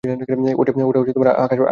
ওটা আকাশ প্রতিরক্ষা ব্যবস্থা।